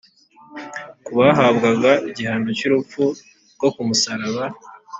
ku bahabwaga igihano cy’urupfu rwo ku musaraba